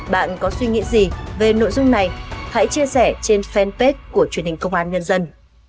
bạn có suy nghĩ gì về nội dung này hãy chia sẻ trên fanpage của truyền hình công an nhân dân